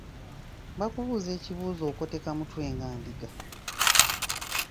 Bakubuuza ekibuuzo okoteka mutwe nga ndiga.